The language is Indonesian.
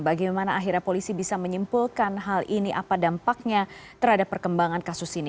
bagaimana akhirnya polisi bisa menyimpulkan hal ini apa dampaknya terhadap perkembangan kasus ini